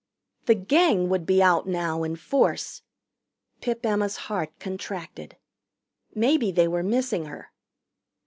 The Gang would be out now in force. Pip Emma's heart contracted. Maybe they were missing her.